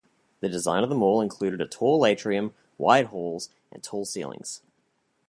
The design of the mall included a tall atrium, wide halls and tall ceilings.